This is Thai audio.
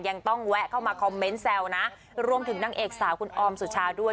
ยังต้องแวะเข้ามาคอมเมนต์แซวนะรวมถึงนางเอกสาวคุณออมสุชาด้วย